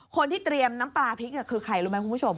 คนที่เตรียมน้ำปลาพริกคือใครรู้ไหมคุณผู้ชม